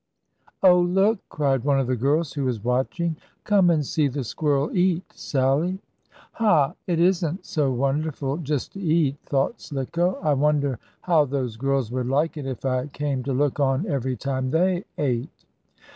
"Oh, look!" cried one of the girls, who was watching. "Come and see the squirrel eat, Sallie!" "Ha! It isn't so wonderful just to eat," thought Slicko. "I wonder how those girls would like it, if I came to look on every time they ate!"